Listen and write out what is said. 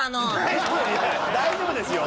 大丈夫ですよ！